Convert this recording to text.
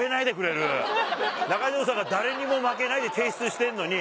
中条さんが「誰にも負けない」で提出してんのに。